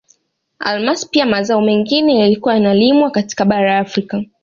Almasi pia mazao mengine yaliyokuwa yanalimwa katika bara la Afrika